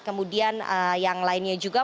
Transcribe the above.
kemudian yang lainnya juga